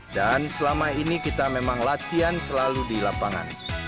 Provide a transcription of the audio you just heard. dan selama ini kita memang latihan selalu di lapangan